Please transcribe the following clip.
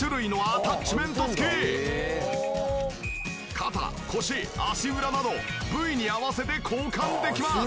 肩腰足裏など部位に合わせて交換できます！